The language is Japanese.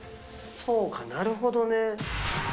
そうか、なるほどね。